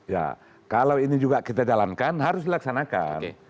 ya kalau ini juga kita jalankan harus dilaksanakan